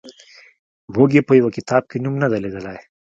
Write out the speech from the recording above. موږ یې په یوه کتاب کې نوم نه دی لیدلی.